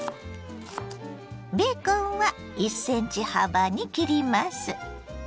ベーコンは１ｃｍ幅に切ります。